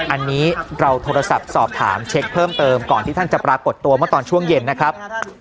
อันนี้เราโทรศัพท์สอบถามเช็คเพิ่มเติมก่อนที่ท่านจะปรากฏตัวเมื่อตอนช่วงเย็นนะครับ